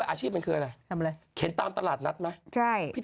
พิธีกรตามตลาดรักนะเว้ย